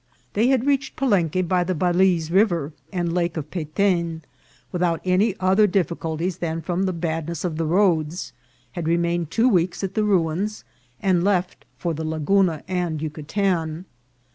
They had reached Palenque by the Balize River and Lake of Peten, without any other difficulties than from the badness of the roads, had remained two weeks at the ruins, and left for the Laguna and Yucatan.